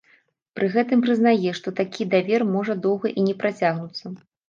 Пры гэтым прызнае, што такі давер можа доўга і не працягнуцца.